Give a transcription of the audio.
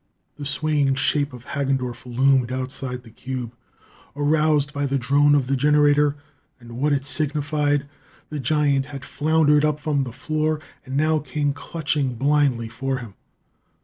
The swaying shape of Hagendorff loomed outside the cube. Aroused by the drone of the generator and what it signified, the giant had floundered up from the floor and now came clutching blindly for him.